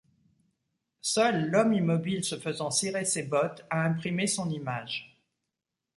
Seul l'homme immobile se faisant cirer ses bottes a imprimé son image.